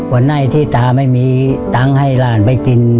วันไหนที่ตาไม่มีตังค์ให้หลานไปกิน